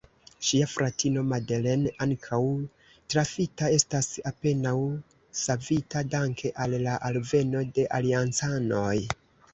Ŝia fratino Madeleine, ankaŭ trafita, estas apenaŭ savita danke al la alveno de Aliancanoj.